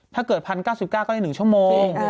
ถ้าเกิด๑๐๙๙ก็ได้๑ชั่วโมง